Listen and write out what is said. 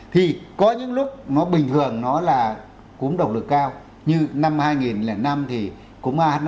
thì có những lúc nó bình thường nó là cúm độc lực cao như năm hai nghìn năm thì cúm a h năm n một